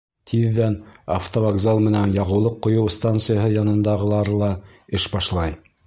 Тиҙҙән автовокзал менән яғыулыҡ ҡойоу станцияһы янындағылары ла эш башлай.